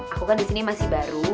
aku kan disini masih baru